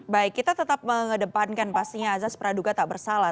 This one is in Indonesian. baik kita tetap mengedepankan pastinya azas praduga tak bersalah